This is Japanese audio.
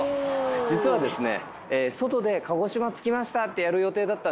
実はですね。